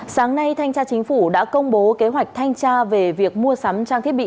sáng nay thanh tra chính phủ đã công bố kế hoạch thanh tra về việc mua sắm trang thiết bị